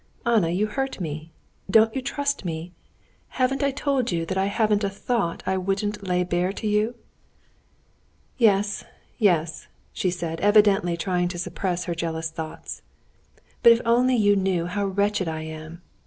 "Anna, you hurt me. Don't you trust me? Haven't I told you that I haven't a thought I wouldn't lay bare to you?" "Yes, yes," she said, evidently trying to suppress her jealous thoughts. "But if only you knew how wretched I am!